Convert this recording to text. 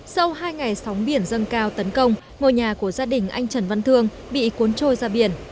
sau hai ngày sóng biển dâng cao tấn công ngôi nhà của gia đình anh trần văn thương bị cuốn trôi ra biển